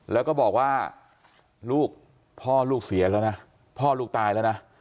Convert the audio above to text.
แล้วก็บอกว่าลูกพ่อลูกเสียแล้วนะพ่อลูกตายแล้วนะ